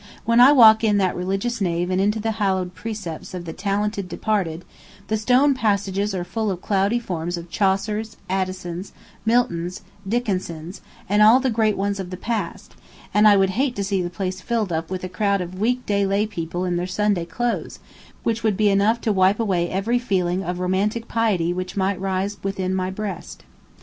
"When I walk in that religious nave and into the hallowed precincts of the talented departed, the stone passages are full of cloudy forms of Chaucers, Addisons, Miltons, Dickenses, and all those great ones of the past; and I would hate to see the place filled up with a crowd of weekday lay people in their Sunday clothes, which would be enough to wipe away every feeling of romantic piety which might rise within my breast."